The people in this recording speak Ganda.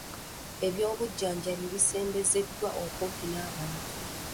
Ebyobujjanjabi bisembezeddwa okumpi n'abantu.